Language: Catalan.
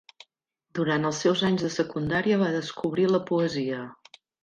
Durant els seus anys de secundària va descobrir la poesia.